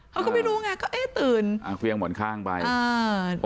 เขาก็ไม่รู้ไงก็เอ๊ะตื่นอ่ะเคลื่องหม่อนข้างไปเออ